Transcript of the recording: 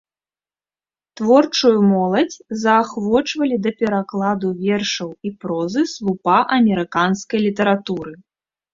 Творчую моладзь заахвочвалі да перакладу вершаў і прозы слупа амерыканскай літаратуры.